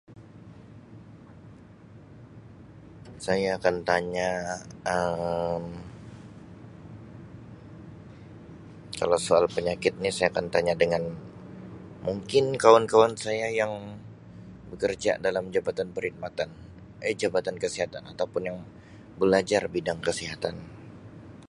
Saya akan tanya Um kalau soal penyakit ni saya akan tanya dengan mungkin kawan-kawan saya yang bekerja dalam jabatan perkhidmatan Um jabatan kesihatan ataupun yang belajar bidang kesihatan.